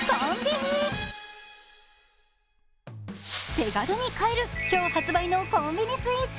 手軽に買える今日発売のコンビニスイーツ。